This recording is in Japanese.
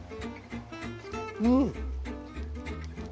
うん！